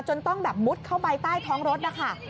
ต้องแบบมุดเข้าไปใต้ท้องรถนะคะ